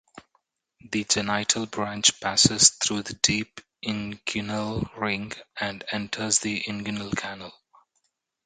The genital branch passes through the deep inguinal ring and enters the inguinal canal.